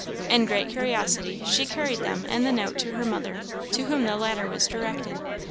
In great curiosity she carried them and the note to her mother, to whom the latter was directed.